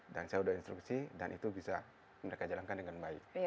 dan saya udah instruksi dan itu bisa mereka jalankan dengan baik